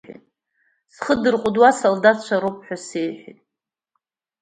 Зхы дырҟәыдуа, асолдаҭцәа роуп ҳәа сеиҳәеит.